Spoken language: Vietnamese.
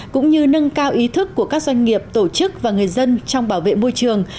cũng như nâng cao ý thức của các doanh nghiệp tổ chức và người dân trong bảo vệ môi trường